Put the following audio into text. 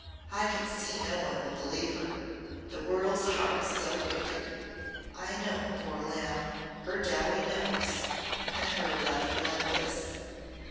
I can see no one will believe her! The world's heart's so wicked. I know, poor lamb. Her Dowie knows. And her left like this!"